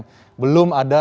yang belum ada